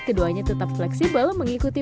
keduanya tetap fleksibel mengikuti